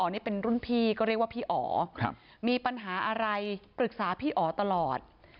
นี่เป็นรุ่นพี่ก็เรียกว่าพี่อ๋อมีปัญหาอะไรปรึกษาพี่อ๋อตลอด